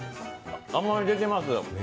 甘み出てますよ。